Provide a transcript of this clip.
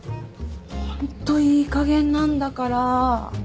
ホントいいかげんなんだから。